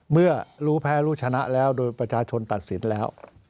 เมื่อรู้แพ้รู้ชนะแล้วโดยประชาชนตัดสินแล้ว